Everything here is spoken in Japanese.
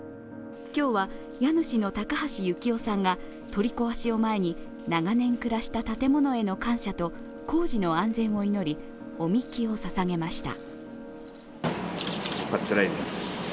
今日は家主の高橋幸雄さんが取り壊しを前に、長年暮らした建物への感謝と工事の安全を祈りお神酒をささげました。